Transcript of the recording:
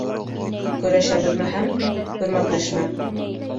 Көрәшә белмәһәң көрмәкләшмә.